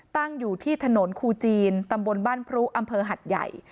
ตั้งอยู่ที่ถนนคูจีนตำบลบ้านพรุอำเภอหัดใหญ่